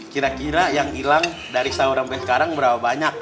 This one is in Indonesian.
kira kira yang hilang dari sahur sampai sekarang berapa banyak